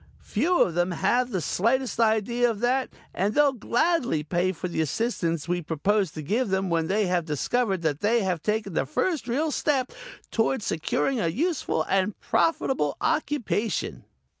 Few of 'em have the slightest idea of that and they'll gladly pay for the assistance we propose to give them when they have discovered that they have taken the first real step toward securing a useful and profitable occupation.